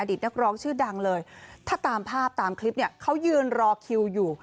นักร้องชื่อดังเลยถ้าตามภาพตามคลิปเนี่ยเขายืนรอคิวอยู่